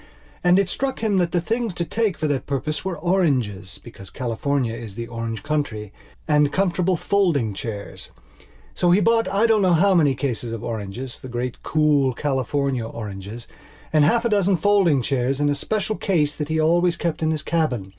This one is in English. And it struck him that the things to take for that purpose were orangesbecause California is the orange countryand comfortable folding chairs. So he bought I don't know how many cases of orangesthe great cool California oranges, and half a dozen folding chairs in a special case that he always kept in his cabin.